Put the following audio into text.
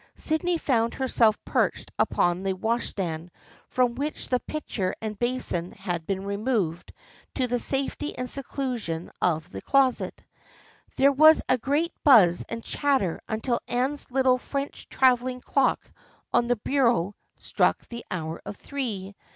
Sydney found herself perched upon the washstand, from which the pitcher and basin had been removed to the safety and seclusion of the closet. There was a great buzz and chatter until Anne's little French traveling clock on the bureau struck the hour of three.